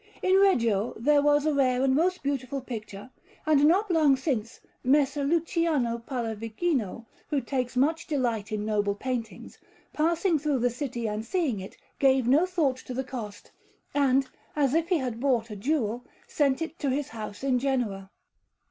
In Reggio there was a rare and most beautiful picture; and not long since, Messer Luciano Pallavigino, who takes much delight in noble paintings, passing through the city and seeing it, gave no thought to the cost, and, as if he had bought a jewel, sent it to his house in Genoa.